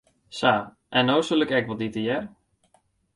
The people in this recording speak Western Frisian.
Sa, en no sil ik ek wat ite, hear.